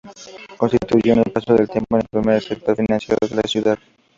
Constituyó con el paso del tiempo el primer sector financiero de la ciudad.